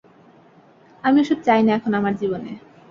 আমি ওসব চাই না এখন আমার জীবনে।